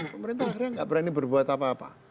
pemerintah akhirnya nggak berani berbuat apa apa